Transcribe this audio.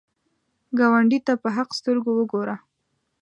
ګاونډي ته په حق سترګو وګوره